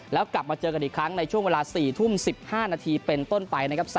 แล้วกลับมาเจอกันอีกครั้งในช่วงเวลา๔ทุ่ม๑๕นาทีเป็นต้นไปนะครับ